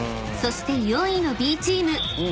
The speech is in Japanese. ［そして４位のＢチーム］